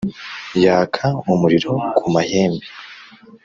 yaka umuriro ku mahembe